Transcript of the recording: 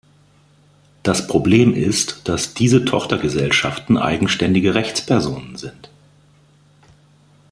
Das Problem ist, dass diese Tochtergesellschaften eigenständige Rechtspersonen sind.